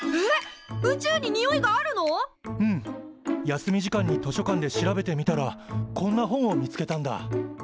休み時間に図書館で調べてみたらこんな本を見つけたんだ。